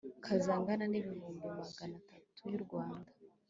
Kazi angana n ibihumbi magana atatu y u rwanda